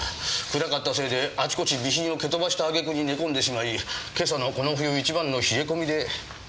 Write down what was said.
暗かったせいであちこち備品を蹴飛ばしたあげくに寝込んでしまい今朝のこの冬一番の冷え込みで。